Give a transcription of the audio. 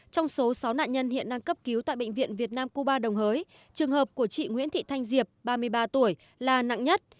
trong số sáu nạn nhân hiện đang cấp cứu tại bệnh viện việt nam cuba đồng hới trường hợp của chị nguyễn thị thanh diệp ba mươi ba tuổi là nặng nhất